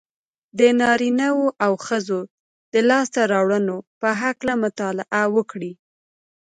د نارينهوو او ښځو د لاسته راوړنو په هکله مطالعه وکړئ.